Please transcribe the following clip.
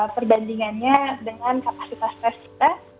perbandingannya dengan kapasitas tes kita